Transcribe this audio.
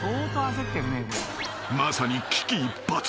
［まさに危機一髪。